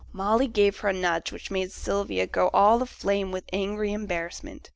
Molly gave her a nudge, which made Sylvia's face go all aflame with angry embarrassment.